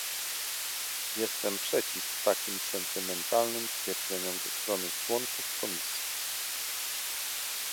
Jestem przeciw takim sentymentalnym stwierdzeniom ze strony członków Komisji